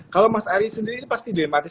kalau mas ari sendiri ini pasti dilematis